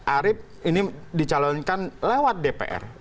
arief ini dicalonkan lewat dpr